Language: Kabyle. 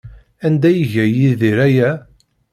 Anda ay iga Yidir aya?